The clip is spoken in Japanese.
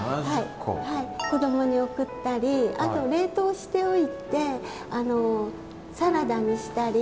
子どもに送ったりあと冷凍しておいてサラダにしたり。